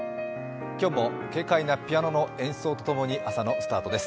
今日も軽快なピアノの演奏と共に朝のスタートです。